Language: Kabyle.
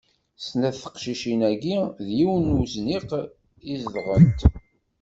Snat n teqcicin-agi deg yiwen n uzniq i zedɣent.